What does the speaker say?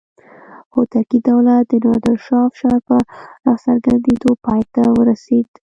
هوتکي دولت د نادر شاه افشار په راڅرګندېدو پای ته ورسېد.